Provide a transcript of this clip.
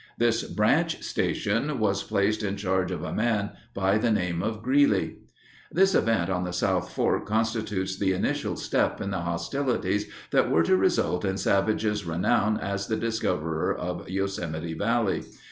This branch station was placed in charge of a man by the name of Greeley. This event on the South Fork constitutes the initial step in the hostilities that were to result in Savage's renown as the discoverer of Yosemite Valley.